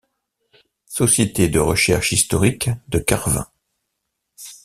Sté de recherches historique de Carvin.